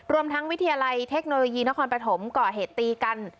รวมทั้งวิทยาลัยเทคโนโลยีนครปฐมก่อเหตุตีกัน